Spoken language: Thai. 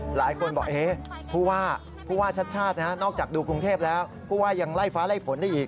หลายคนบอกผู้ว่าผู้ว่าชัดชาตินอกจากดูกรุงเทพแล้วผู้ว่ายังไล่ฟ้าไล่ฝนได้อีก